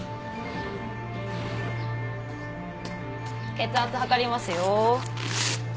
血圧測りますよ。